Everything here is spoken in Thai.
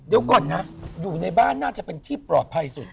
เดี๋ยวก่อนนะอยู่ในบ้านน่าจะเป็นที่ปลอดภัยสุด